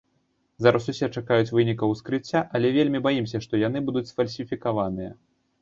Зараз усе чакаюць вынікаў ускрыцця, але вельмі баімся, што яны будуць сфальсіфікаваныя.